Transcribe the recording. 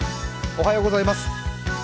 おはようございます。